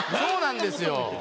そうなんですよ。